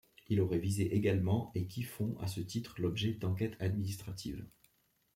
Il aurait visé également et qui font à ce titre l'objet d'enquêtes administratives.